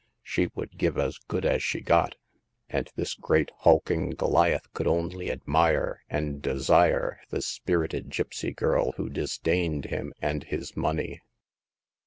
She could give as good as she get ; and this great, hulking Goliath could only admire and desire this spirited gipsy girl who disdained him and his money.